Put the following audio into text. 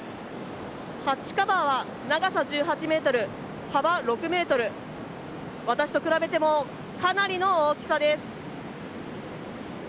ハッチカバーは長さ１８ｍ、幅６ｍ私と比べてもかなりの大きさです。